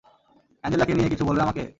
অ্যাঞ্জেলাকে নিয়ে কিছু বলবে আমাকে?